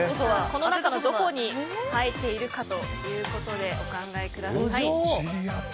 この中のどこに入っているかということでお考えください。